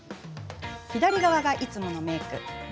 左側がいつものメーク。